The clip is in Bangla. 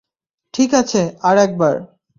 ঠিক আছে, আর একবার।